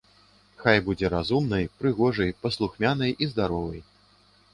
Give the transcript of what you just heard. Хай будзе разумнай, прыгожай, паслухмянай і здаровай.